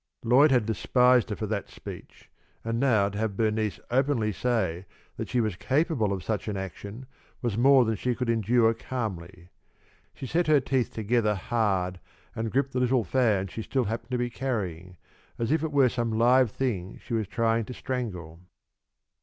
Lloyd had despised her for that speech, and now to have Bernice openly say that she was capable of such an action was more than she could endure calmly. She set her teeth together hard, and gripped the little fan she still happened to be carrying, as if it were some live thing she was trying to strangle.